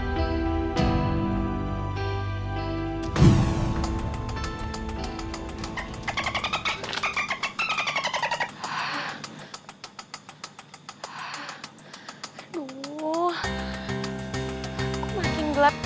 boleh boleh boleh